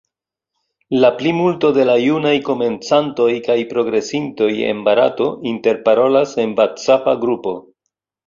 La plimulto de la junaj komencantoj kaj progresintoj en Barato interparolas en vacapa grupo.